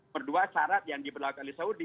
perdua syarat yang diperlakukan di saudi